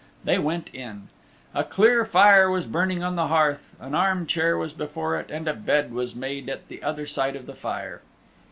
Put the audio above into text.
They went in. A clear fire was burning on the hearth, an arm chair was before it, and a bed was made at the other side of the fire.